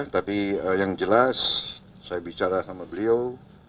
tapi yang jelas saya bicara sama beliau